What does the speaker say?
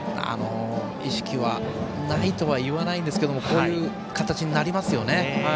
意識はないとはいいませんがこういう形になりますよね。